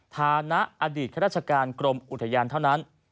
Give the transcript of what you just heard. ฐานะอดีตข้าราชการกรมอุทยานเท่านั้น